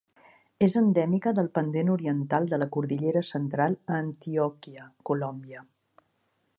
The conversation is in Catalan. És endèmica del pendent oriental de la Cordillera Central a Antioquia, Colòmbia.